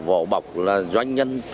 vỏ bọc doanh nhân